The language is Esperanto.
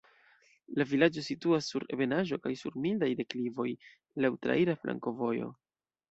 La vilaĝo situas sur ebenaĵo kaj sur mildaj deklivoj, laŭ traira flankovojo.